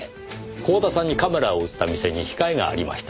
光田さんにカメラを売った店に控えがありました。